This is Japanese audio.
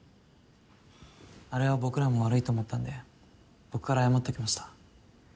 あれは僕らも悪いと思ったんで僕から謝っておきました。